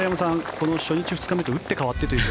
この初日、２日目と打って変わってという。